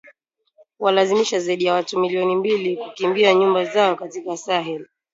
kuwalazimisha zaidi ya watu milioni mbili kukimbia nyumba zao katika Sahel